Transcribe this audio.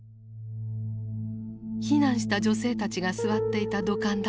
避難した女性たちが座っていた土管だと思われる。